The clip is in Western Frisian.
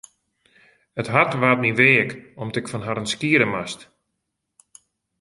It hart waard my weak om't ik fan harren skiede moast.